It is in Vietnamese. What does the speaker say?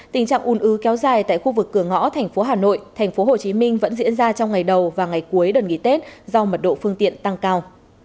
tình trạng un ưu kéo dài tại khu vực cửa ngõ thành phố hà nội thành phố hồ chí minh vẫn diễn ra trong ngày đầu và ngày cuối đợt nghỉ tết do mật độ phương tiện tăng cao